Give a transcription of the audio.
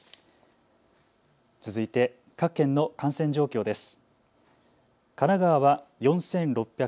続いて各県の感染状況です。